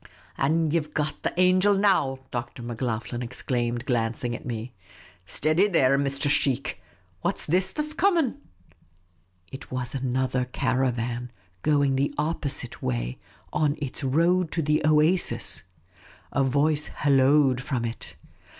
" An' ye 've got the angel now," Dr. Macloghlen ex claimed, glancing at me. "Steady, there, Mr. Sheikh. What 's this that 's coming ?" It was another caravan, going the opposite way, on its road to the oasis ! A voice halloaed from it.